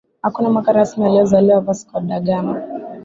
Hakuna mwaka rasmi aliozaliwa vasco da gama